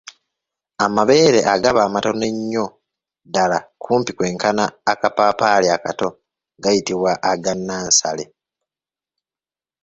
Amabeere agaba amatono ennyo ddala kumpi kwenkana akapaapaali akato gayitibwa aga nansale.